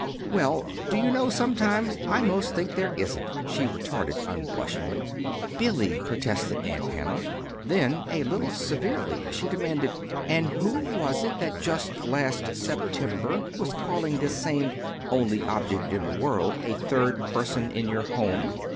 "Well, do you know, sometimes I 'most think there isn't," she retorted unblushingly. "Billy!" protested Aunt Hannah; then, a little severely, she demanded: "And who was it that just last September was calling this same only object in the world a third person in your home?"